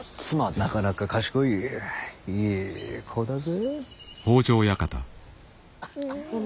なかなか賢いいい子だぜ。